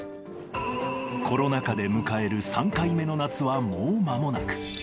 コロナ禍で迎える３回目の夏はもうまもなく。